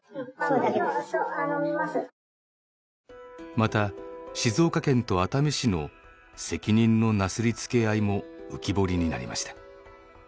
また静岡県と熱海市の責任のなすりつけ合いも浮き彫りになりました。